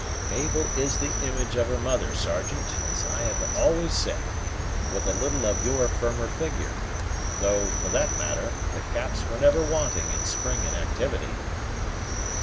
"Mabel is the image of her mother, Sergeant, as I have always said, with a little of your firmer figure; though, for that matter, the Caps were never wanting in spring and activity."